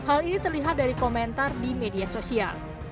hal ini terlihat dari komentar di media sosial